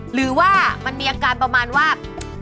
หรือว่ามันมีอาการประมาณว่า